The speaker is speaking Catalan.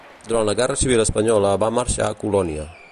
Durant la guerra civil espanyola va marxar a Colònia.